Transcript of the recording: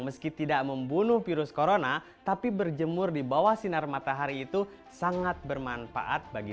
meski tidak membunuh virus corona tapi berjemur di bawah sinar matahari itu sangat bermanfaat bagi